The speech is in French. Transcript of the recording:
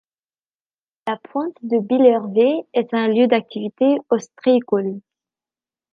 La pointe de Bilhervé est un lieu d’activités ostréicoles.